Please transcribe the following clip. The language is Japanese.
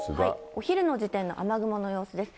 お昼の時点の雨雲の様子です。